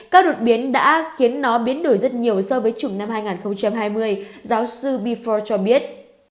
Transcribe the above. các đột biến đã khiến nó biến đổi rất nhiều so với chủng năm hai nghìn hai mươi giáo sư befor cho biết